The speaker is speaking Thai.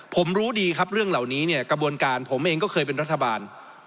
ผมรู้ดีครับเรื่องเหล่านี้เนี่ยกระบวนการผมเองก็เคยเป็นรัฐบาล